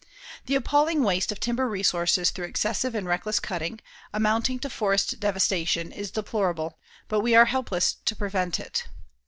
The appalling waste of timber resources through excessive and reckless cutting, amounting to forest devastation, is deplorable, but we are helpless to prevent it.